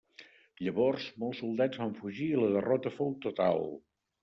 Llavors molts soldats van fugir i la derrota fou total.